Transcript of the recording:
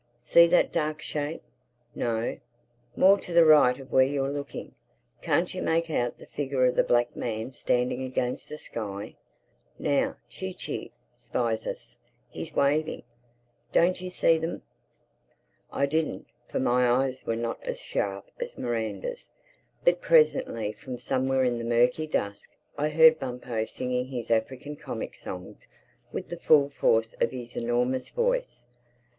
See that dark shape?—No, more to the right of where you're looking. Can't you make out the figure of the black man standing against the sky?—Now Chee Chee spies us—he's waving. Don't you see them?" I didn't—for my eyes were not as sharp as Miranda's. But presently from somewhere in the murky dusk I heard Bumpo singing his African comic songs with the full force of his enormous voice.